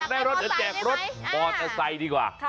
จะแจกรถมอเตอร์ไซด์ดีกว่า